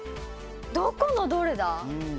どこのどれだ？